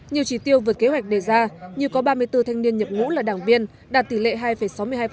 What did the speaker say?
nhiều chỉ tiêu vượt kế hoạch đề ra như có ba mươi bốn thanh niên nhập ngũ là đảng viên đạt tỷ lệ hai sáu mươi hai